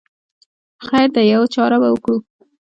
خیر دی یوه چاره به وکړو.